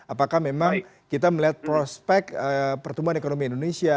apakah memang kita melihat prospek pertumbuhan ekonomi indonesia